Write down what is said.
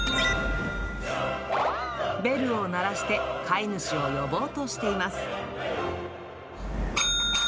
ベルを鳴らして、飼い主を呼ぼうとしています。